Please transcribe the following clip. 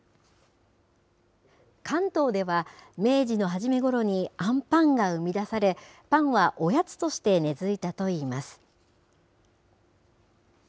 関東では、明治の初めごろにあんパンが生み出され、パンはおやつとして根づいたといいます。